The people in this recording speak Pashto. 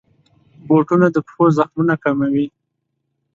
بوټونه د پښو زخمونه کموي.